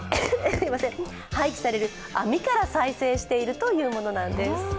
廃棄される網から再生しているというものなんです。